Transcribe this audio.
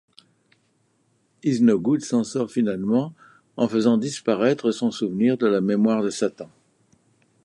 Iznogoud s'en sort finalement en faisant disparaitre son souvenir de la mémoire de Satan.